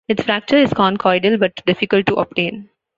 Its fracture is conchoidal, but difficult to obtain.